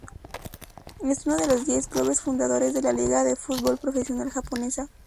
Es uno de los diez clubes fundadores de la liga de fútbol profesional japonesa.